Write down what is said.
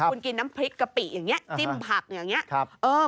คุณกินน้ำพริกกะปิอย่างนี้จิ้มผักอย่างนี้